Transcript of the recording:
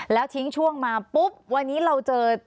แล้วทิ้งช่วงมาปุ๊บวันนี้เราเจอ